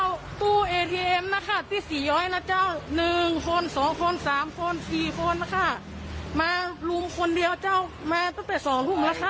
อะไรลุมที่ไหน